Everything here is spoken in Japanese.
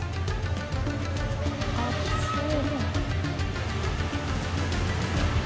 熱い。